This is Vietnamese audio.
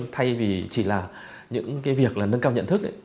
thay vì chỉ là những việc nâng cao nhận thức